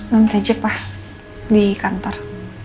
nanti aja pak di kantor